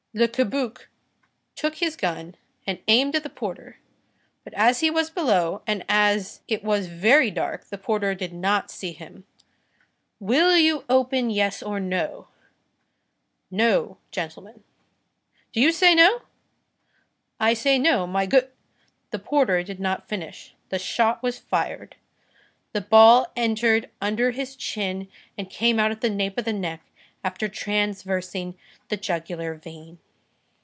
Le Cabuc took his gun and aimed at the porter; but as he was below, and as it was very dark, the porter did not see him. "Will you open, yes or no?" "No, gentlemen." "Do you say no?" "I say no, my goo—" The porter did not finish. The shot was fired; the ball entered under his chin and came out at the nape of his neck, after traversing the jugular vein.